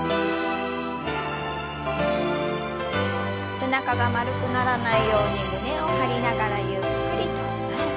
背中が丸くならないように胸を張りながらゆっくりと前。